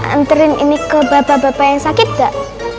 anterin ini ke bapak bapak yang sakit gak